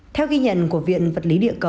theo ghi nhận của viện vật lý